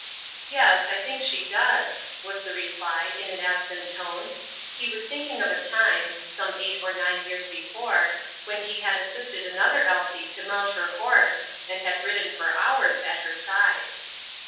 "Yes, I think she does," was the reply, in an absent tone. He was thinking of a time, some eight or nine years before, when he had assisted another Elsie to mount her horse, and had ridden for hours at her side.